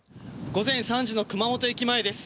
午前３時の熊本駅前です。